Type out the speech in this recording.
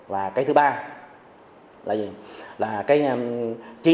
và cái thứ ba là gì